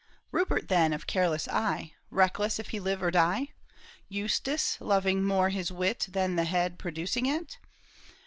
Rupert, then, of careless eye, Reckless if he live or die ? Eustace, loving more his wit Than the head producing it